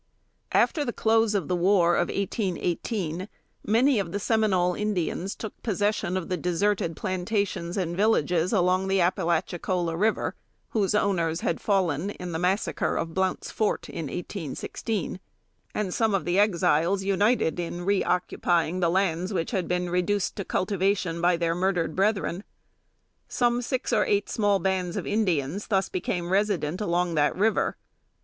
After the close of the war of 1818, many of the Seminole Indians took possession of the deserted plantations and villages along the Appalachicola River, whose owners had fallen in the massacre of Blount's Fort, in 1816; and some of the Exiles united in reoccupying the lands which had been reduced to cultivation by their murdered brethren. Some six or eight small bands of Indians thus became resident along that river.